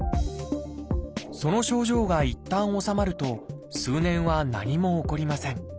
その症状がいったん治まると数年は何も起こりません。